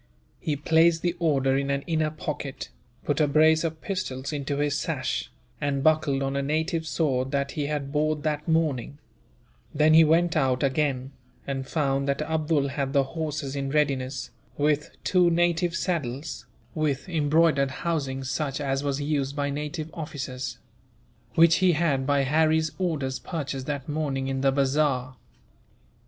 He placed the order in an inner pocket, put a brace of pistols into his sash, and buckled on a native sword that he had bought that morning; then he went out again, and found that Abdool had the horses in readiness, with two native saddles, with embroidered housings such as was used by native officers; which he had, by Harry's orders, purchased that morning in the bazaar.